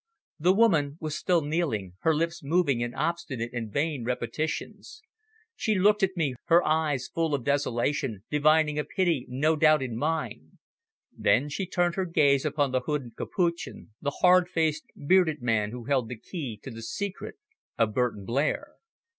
The woman was still kneeling, her lips moving in obstinate and vain repetitions. She looked at me, her eyes full of desolation, divining a pity no doubt in mine; then she turned her gaze upon the hooded Capuchin, the hard faced, bearded man who held the key to the secret of Burton Blair.